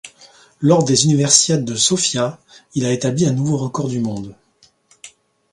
Lors des Universiades de Sofia, il a établi un nouveau record du monde.